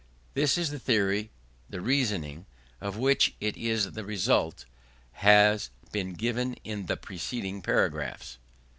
This is the theory: the reasoning, of which it is the result, has been given in the preceding paragraphs.